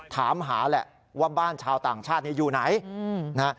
ถามหาแหละว่าบ้านชาวต่างชาติอยู่ไหนนะ